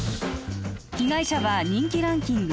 被害者は人気ランキング